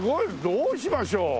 どうしましょう。